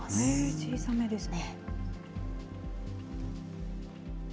小さめですね。